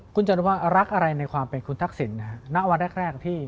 คุณจตุวัลรักอะไรในความเป็นคุณทักษิณวันแรกที่